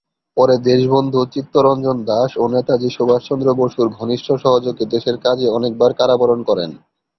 পরে দেশবন্ধু চিত্তরঞ্জন দাশ ও নেতাজী সুভাষচন্দ্র বসুর ঘনিষ্ঠ সহযোগে দেশের কাজে অনেকবার কারাবরণ করেন।